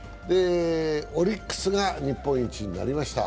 オリックスが日本一になりました。